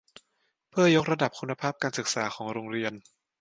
เพื่อยกระดับคุณภาพการศึกษาของโรงเรียน